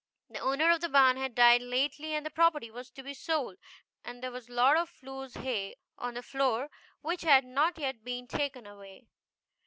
The owner of the barn had died lately, and the property was to be sold, and there was a lot of loose hay on the floor which had not yet been taken away.